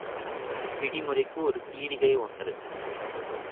பிடி முறைக்கு ஒரு பீடிகை ஒன்று.